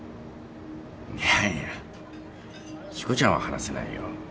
いやいやしこちゃんは話せないよ。